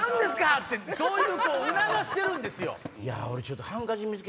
ってそう促してるんですよ。